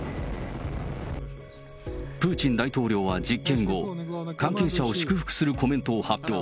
プーチン大統領は実験後、関係者を祝福するコメントを発表。